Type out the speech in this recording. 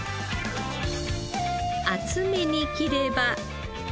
厚めに切れば。